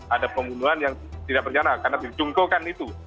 ada pembunuhan yang tidak bercana karena dicungkukan itu